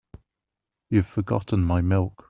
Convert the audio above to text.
You've forgotten my milk.